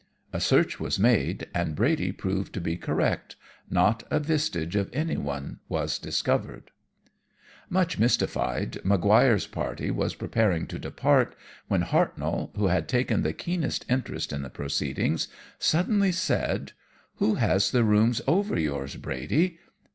"A search was made, and Brady proved to be correct. Not a vestige of anyone was discovered. "Much mystified, Maguire's party was preparing to depart, when Hartnoll, who had taken the keenest interest in the proceedings, suddenly said, 'Who has the rooms over yours, Brady?